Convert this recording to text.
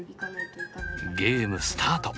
ゲームスタート！